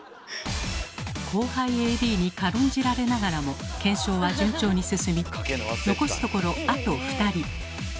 後輩ＡＤに軽んじられながらも検証は順調に進み残すところあと２人。